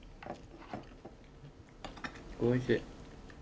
おいしい。